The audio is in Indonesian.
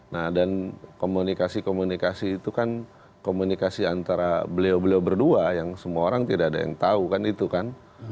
nah dan komunikasi komunikasi itu kan komunikasi antara beliau beliau berdua yang semua orang tidak ada yang tahu kan itu kan